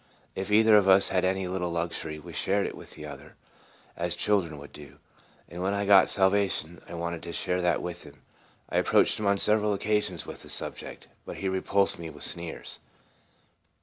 If either of us had any little luxury we shared it with the other, as chil dren would do ; and when I got salvation I wanted to share that with him. I approached him on several occasions with the subject, but he reDulsed me with sneers.